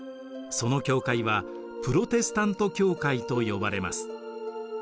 その教会はプロテスタント教会と呼ばれます。